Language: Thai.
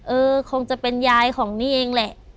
เออคงจะเป็นยายของนี่เองแหละ